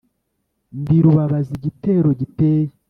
Ndi rubabaza igitero giteye